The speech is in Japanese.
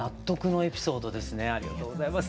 ありがとうございます。